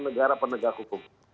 negara penegak hukum